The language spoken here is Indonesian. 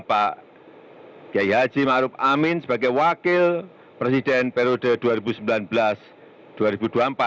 untuk mewujudkan pembangunan yang adil pembangunan yang merata demi keadaan sosial bagi seluruh rakyat indonesia